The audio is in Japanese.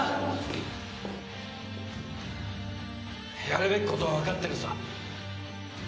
やるべきことはわかってるさ！